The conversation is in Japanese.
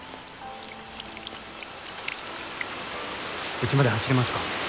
うちまで走れますか？